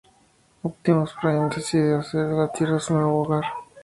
Optimus Prime decide hacer de la Tierra su nuevo hogar.